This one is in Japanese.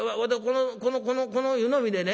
この湯飲みでね